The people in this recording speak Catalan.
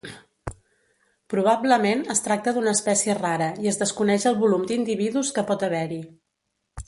Probablement es tracta d'una espècie rara i es desconeix el volum d'individus que pot haver-hi.